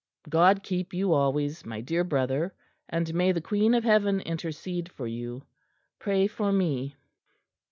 God keep you always, my dear Brother; and may the Queen of Heaven intercede for you. Pray for me."